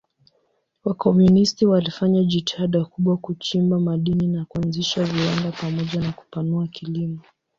Wakomunisti walifanya jitihada kubwa kuchimba madini na kuanzisha viwanda pamoja na kupanua kilimo.